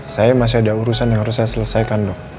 saya masih ada urusan yang harus saya selesaikan dok